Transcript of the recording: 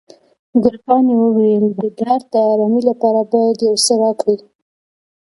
ګلپاڼې وویل، د درد د آرامي لپاره باید یو څه راکړئ.